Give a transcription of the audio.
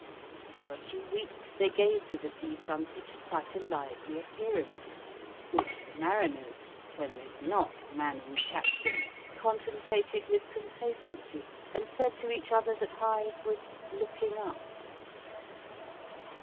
For a few weeks they gave to the sea frontage quite a lively appearance, which the mariners (when they were not manning the capstan) contemplated with complacency, and said to each other that Hythe was "looking up."